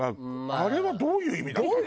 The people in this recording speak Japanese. あれはどういう意味だったの？